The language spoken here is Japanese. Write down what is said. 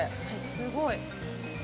すごい。